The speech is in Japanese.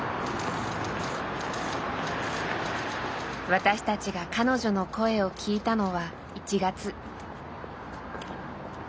私たちが彼女の声を聞いたのは１月。